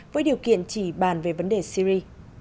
với điều kiện chỉ bàn về vấn đề syri